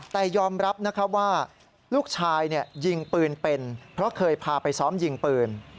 แต่ยอมรับนะครับว่าลูกชายยิงปืนเป็นเพราะเคยพาไปซ้อมยิงปืน